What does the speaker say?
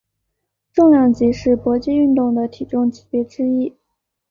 重量级是搏击运动的体重级别之一。